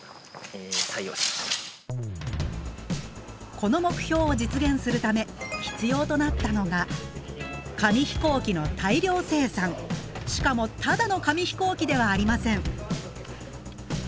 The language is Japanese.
この目標を実現するため必要となったのがしかもただの紙飛行機ではありません。